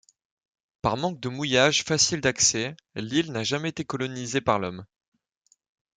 Par manque de mouillage facile d'accès, l'île n'a jamais été colonisée par l'homme.